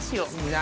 何？